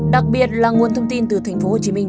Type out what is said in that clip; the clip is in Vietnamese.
đặc biệt là nguồn thông tin từ thành phố hồ chí minh